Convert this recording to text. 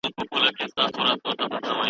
موږ به تل د حق په لاره ځو.